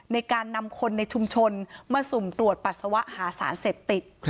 ในการนำคนในชุมชนมาสุ่มตรวจปัสสาวะหาสารเสพติด